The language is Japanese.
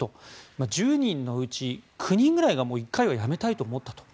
１０人のうち９人ぐらいは１回は辞めたいと思ったと。